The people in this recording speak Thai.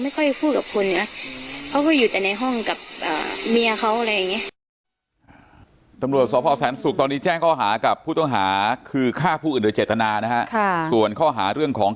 ไม่ค่อยพูดกับคนแล้วเขาก็อยู่แต่ในห้อง